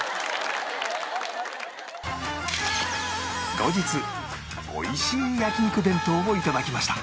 後日美味しい焼肉弁当を頂きました